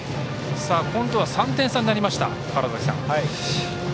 今度は３点差になりました。